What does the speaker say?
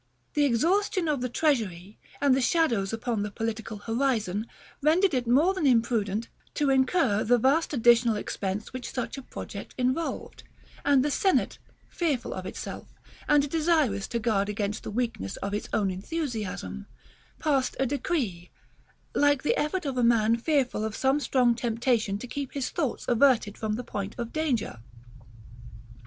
The exhaustion of the treasury, and the shadows upon the political horizon, rendered it more than imprudent to incur the vast additional expense which such a project involved; and the Senate, fearful of itself, and desirous to guard against the weakness of its own enthusiasm, passed a decree, like the effort of a man fearful of some strong temptation to keep his thoughts averted from the point of danger.